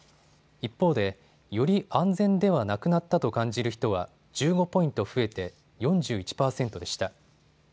一方で、より安全ではなくなったと感じる人は１５ポイント増えて４１％でした。